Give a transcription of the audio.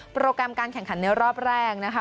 โปรแกรมการแข่งขันในรอบแรกนะคะ